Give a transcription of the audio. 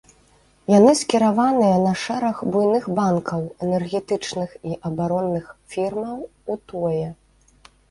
Яны скіраваныя на шэраг буйных банкаў, энергетычных і абаронных фірмаў у тое.